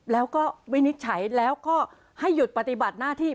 แล้วก็วินิจฉัยแล้วก็ให้หยุดปฏิบัติหน้าที่